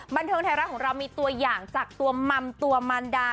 บันเทิงไทยรัฐของเรามีตัวอย่างจากตัวมัมตัวมันดา